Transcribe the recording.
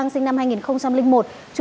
sinh năm hai nghìn hai